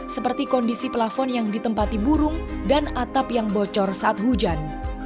seperti kondisi pelafon yang ditempati burung dan atap yang bocor saat hujan